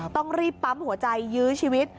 ต้องรีบปั๊มหัวใจยื้อชีวิต